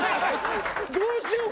どうしよう？